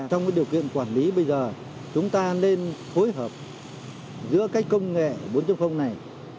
trong cái điều kiện quản lý bây giờ chúng ta nên phối hợp giữa cái công nghệ bốn chân phong này